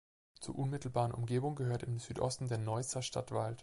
Zur unmittelbaren Umgebung gehört im Südosten der Neusser Stadtwald.